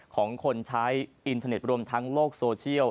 ของคนใช้อินเทอร์เน็ตรวมทั้งโลกโซเชียล